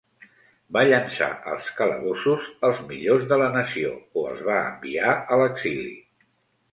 Va llançar als calabossos els millors de la nació o els va enviar a l'exili.